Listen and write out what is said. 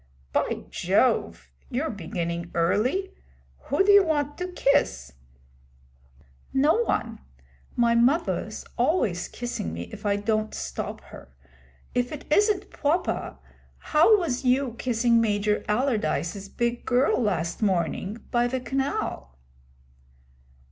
'By Jove! You're beginning early. Who do you want to kiss?' 'No one. My muvver's always kissing me if I don't stop her. If it isn't pwoper, how was you kissing Major Allardyce's big girl last morning, by ve canal?'